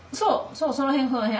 そうその辺その辺。